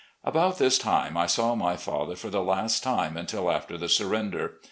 ..." About this time, I saw my father for the last time until after the surrender.